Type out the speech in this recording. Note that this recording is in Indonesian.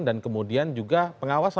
yang semakin jelas